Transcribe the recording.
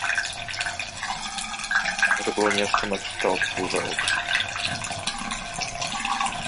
Гэта было нешта накшталт пужалкі.